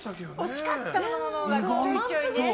惜しかったものがちょいちょいね。